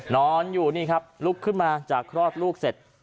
นอนอยู่นี่ครับลุกขึ้นมาจากคลอดลูกเสร็จ